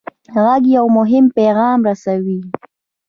غږ یو مهم پیغام رسوي.